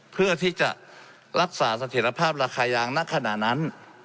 เพื่อที่จะรักษาเสถียรภาพราคายางณขณะนั้น